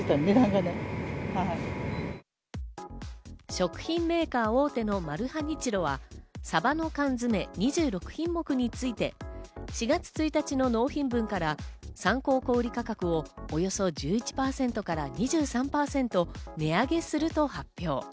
食品メーカー大手のマルハニチロは、サバの缶詰２６品目について４月１日の納品分から参考小売価格をおよそ１１％から２３％値上げすると発表。